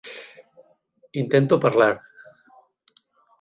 Intento parlar!